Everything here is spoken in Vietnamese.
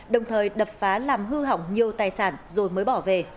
đồng thời đập phá làm hư hỏng nhiều tài sản rồi mới bỏ về